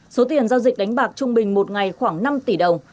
số tiền giao dịch đánh bạc trung bình một ngày khoảng năm tỷ đồng